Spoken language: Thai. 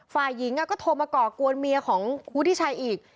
ฝ่ายหญิงก็โทรมาก่อกวนเมียของวุฒิชัยอีก